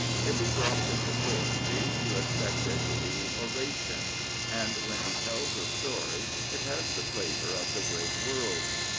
If he drops into poetry you expect it to be Horatian, and when he tells a story it has the flavour of the great world.